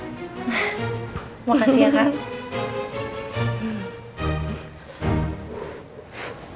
makasih ya kak